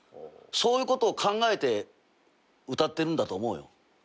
そういうことを考えて歌ってるんだと思うよ。